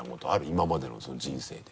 今までのその人生で。